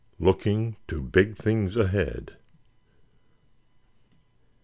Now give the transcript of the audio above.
LOOKING TO BIG THINGS AHEAD.